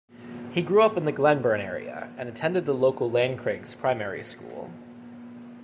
He grew up in the Glenburn area and attended the local Lancraigs Primary School.